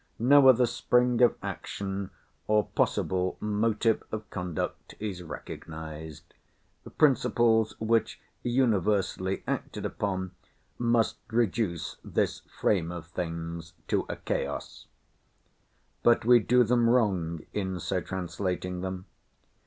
No other spring of action, or possible motive of conduct, is recognised; principles which, universally acted upon, must reduce this frame of things to a chaos. But we do them wrong in so translating them.